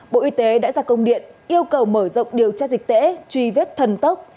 bộ y tế đã ra công điện yêu cầu mở rộng điều tra dịch tễ truy vết thần tốc